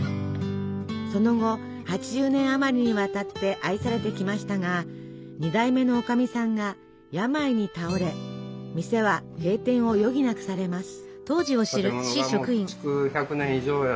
その後８０年あまりにわたって愛されてきましたが２代目のおかみさんが病に倒れ店は閉店を余儀なくされます。